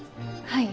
はい。